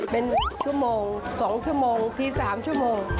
เป็นชั่วโมง๒ชั่วโมงที๓ชั่วโมง